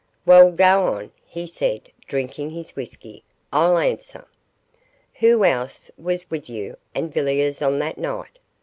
'Well, go on,' he said, drinking his whisky, 'I'll answer.' 'Who else was with you and Villiers on that night?